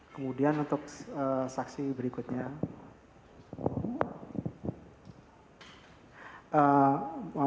kemudian untuk saksi berikutnya